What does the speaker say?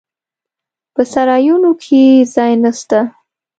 په سرایونو کې ځای نسته.